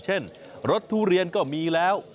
เช่นรถทุเรียนก็มีแล้ว